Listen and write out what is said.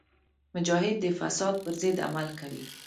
مجاهد د فساد پر ضد عمل کوي.